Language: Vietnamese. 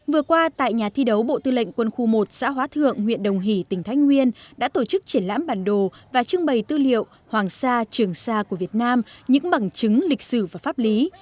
vừa qua tại nhà thi đấu bộ tư lệnh quân khu một xã hóa thượng huyện đồng hỷ tỉnh thái nguyên đã tổ chức triển lãm bản đồ và trưng bày tư liệu hoàng sa trường sa của việt nam những bằng chứng lịch sử và pháp lý